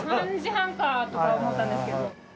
３時半かとか思ったんですけど。